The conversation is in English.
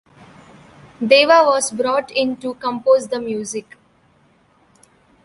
Deva was brought in to compose the music.